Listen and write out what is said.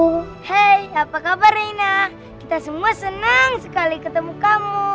hei apa kabar reina kita semua senang sekali ketemu kamu